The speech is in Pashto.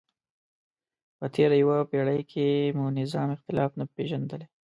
په تېره یوه پیړۍ کې مو نظام اختلاف نه پېژندلی.